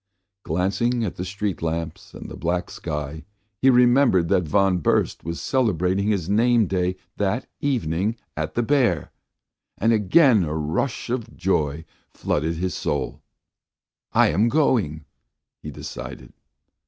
Glancing at the street lamps and the black sky, he remembered that Von Burst was celebrating his name day that evening at the "Bear," and again a rush of joy flooded his soul. ... "I am going!" he decided.